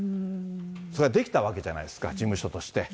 それができたわけじゃないですか、事務所として。